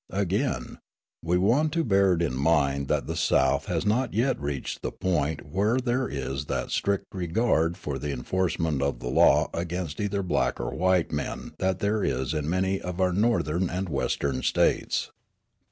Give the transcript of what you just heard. Again, we want to bear it in mind that the South has not yet reached the point where there is that strict regard for the enforcement of the law against either black or white men that there is in many of our Northern and Western States.